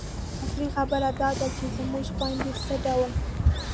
اصلي خبره دا ده چې زموږ خویندې څه ډول